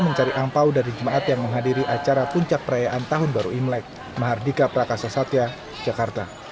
lontong cap gomeh yang disediakan gratis oleh pihak panitia